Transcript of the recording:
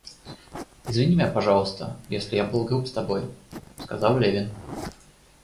Извини меня, пожалуйста, если я был груб с тобой, — сказал Левин.